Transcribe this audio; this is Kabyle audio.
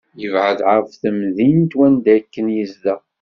Yebεed ɣef temdint wanda akken yezdeɣ.